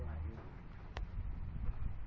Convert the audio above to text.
สวัสดีครับ